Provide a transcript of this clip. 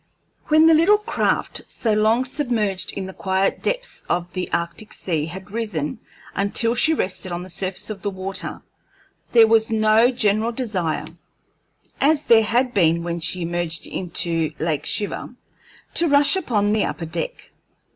When the little craft, so long submerged in the quiet depths of the Arctic Sea, had risen until she rested on the surface of the water, there was no general desire, as there had been when she emerged into Lake Shiver, to rush upon the upper deck.